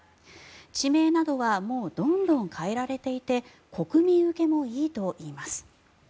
地名などはもうどんどん変えられていて国民受けもいいといいます。